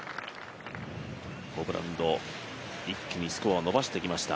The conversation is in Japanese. ホブランド、一気にスコアを伸ばしてきました。